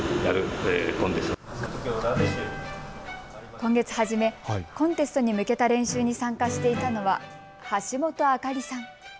今月初め、コンテストに向けた練習に参加していたのは橋本明さん。